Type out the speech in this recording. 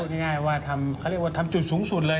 ง่ายว่าเขาเรียกว่าทำจุดสูงสุดเลย